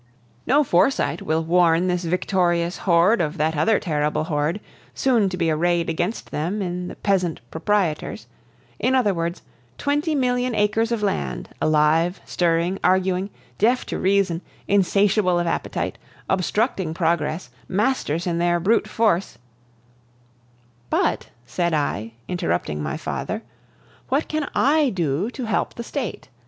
No foresight will warn this victorious horde of that other terrible horde, soon to be arrayed against them in the peasant proprietors; in other words, twenty million acres of land, alive, stirring, arguing, deaf to reason, insatiable of appetite, obstructing progress, masters in their brute force " "But," said I, interrupting my father, "what can I do to help the State.